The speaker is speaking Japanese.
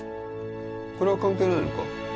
これは関係ないのか？